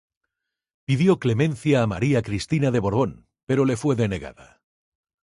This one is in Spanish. Pidió clemencia a María Cristina de Borbón, pero le fue denegada.